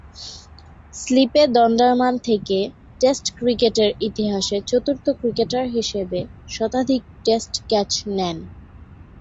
স্লিপে দণ্ডায়মান থেকে টেস্ট ক্রিকেটের ইতিহাসে চতুর্থ ক্রিকেটার হিসেবে শতাধিক টেস্ট ক্যাচ নেন।